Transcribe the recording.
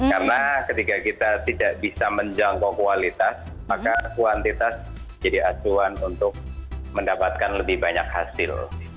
karena ketiga kita tidak bisa menjangkau kualitas maka kuantitas jadi asuhan untuk mendapatkan lebih banyak hasil